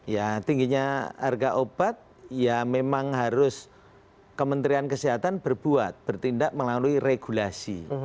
ya tingginya harga obat ya memang harus kementerian kesehatan berbuat bertindak melalui regulasi